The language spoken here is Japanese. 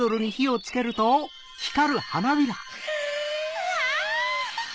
うわ！